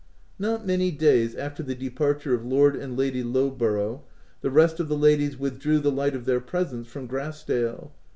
Not many days after the departure of Lord and Lady Lowborough, the rest of the ladies withdrew the light of their presence from Grass dale.